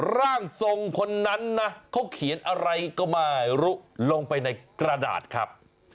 ร่างทรงคนนั้นนะเขาเขียนอะไรก็ไม่รู้ลงไปในกระดาษครับ